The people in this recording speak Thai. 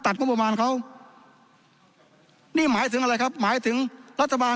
งบประมาณเขานี่หมายถึงอะไรครับหมายถึงรัฐบาล